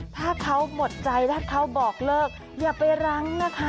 ถ้าเขาหมดใจถ้าเขาบอกเลิกอย่าไปรั้งนะคะ